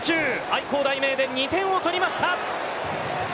愛工大名電、２点を取りました。